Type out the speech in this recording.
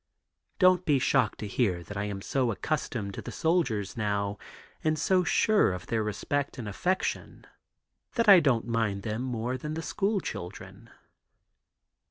Don't be shocked to hear that I am so accustomed to the soldiers now and so sure of their respect and affection that I don't mind them more than the school children."